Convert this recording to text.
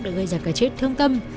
đã gây ra cái chết thương tâm